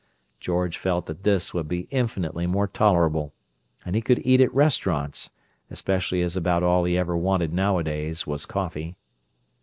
George felt that this would be infinitely more tolerable; and he could eat at restaurants, especially as about all he ever wanted nowadays was coffee.